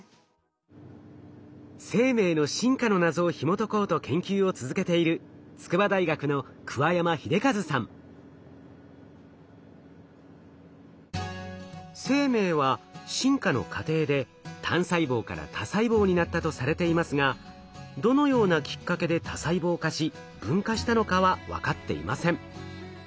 生命の進化の謎をひもとこうと研究を続けている筑波大学の生命は進化の過程で単細胞から多細胞になったとされていますがどのようなきっかけで多細胞化し分化したのかは分かっていません。